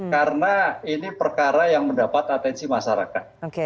karena ini perkara yang mendapat atensi masyarakat